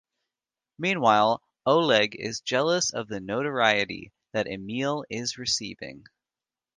Meanwhile, Oleg is jealous of the notoriety that Emil is receiving.